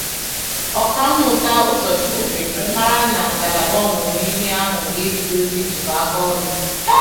Ọkammụta Ụzọchukwu mèkwàzịrị ka a mara na ngalaba ọmụmụ ihe ahụ ga-ebidozị ijikọ aka ọnụ